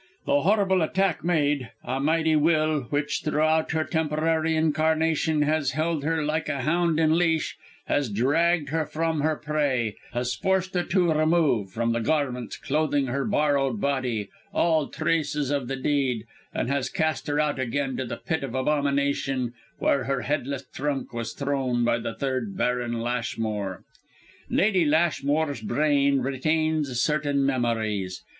The horrible attack made, a mighty will which, throughout her temporary incarnation, has held her like a hound in leash, has dragged her from her prey, has forced her to remove, from the garments clothing her borrowed body, all traces of the deed, and has cast her out again to the pit of abomination where her headless trunk was thrown by the third Baron Lashmore! "Lady Lashmore's brain retains certain memories.